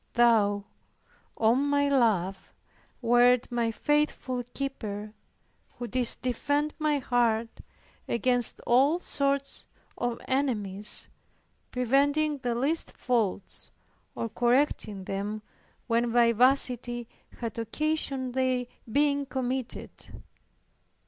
Thou, O my Love, wert my faithful keeper, who didst defend my heart against all sorts of enemies, preventing the least faults, or correcting them when vivacity had occasioned their being committed.